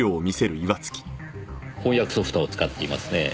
翻訳ソフトを使っていますねぇ。